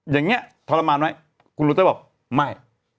อย่างนี้ทรมานไหมคุณรู้เตอร์บอกไม่